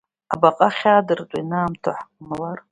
Абаҟа ахьаадыртуа ианаамҭоу ҳҟамлар…